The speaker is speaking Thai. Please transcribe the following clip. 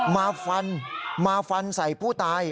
มาฟันใส่ผู้ตาย